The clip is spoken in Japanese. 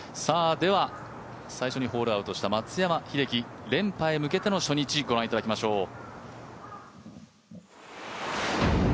最初にホールアウトした松山英樹連覇へ向けての初日、御覧いただきましょう。